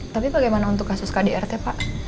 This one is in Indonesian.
tapi bagaimana untuk kasus kdrt pak